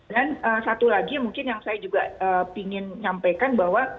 dan satu lagi mungkin yang saya juga ingin menyampaikan bahwa